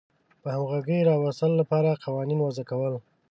د همغږۍ راوستلو لپاره قوانین وضع کول.